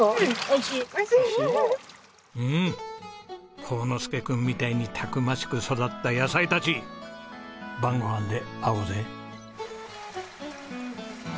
うん煌之助君みたいにたくましく育った野菜たち晩ご飯で会おうぜ。